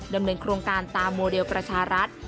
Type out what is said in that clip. ดำเนินโครงการตามโมเดลประชารัฐ